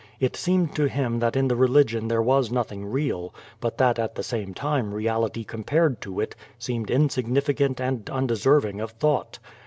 It seemed to him tliat in the religion there was nothing real, but that at the same time reality compared to it seemed insignificant and undeserving of tiiought.